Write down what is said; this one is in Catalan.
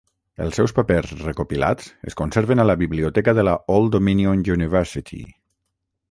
Els seus papers recopilats es conserven a la biblioteca de la Old Dominion University.